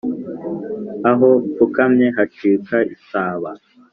Aho mfukamye hacika itaba.